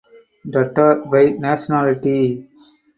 Tatar by nationality.